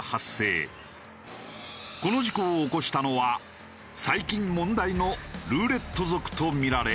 この事故を起こしたのは最近問題のルーレット族とみられ。